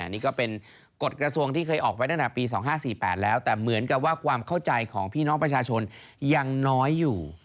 นี่ก็เป็นกฎกระทรวงที่เคยออกไว้ตั้งแต่ปี๒๕๔๘แล้วแต่เหมือนกับว่าความเข้าใจของพี่น้องประชาชนยังน้อยอยู่